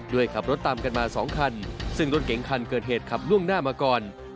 โดยขับรถตามกันมา๒คันซึ่งรถเก๋งคันเกิดเหตุขับล่วงหน้ามาก่อน